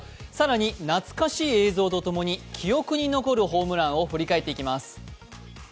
更に懐かしい映像とともに記憶に残るホームランを振り返っていきます。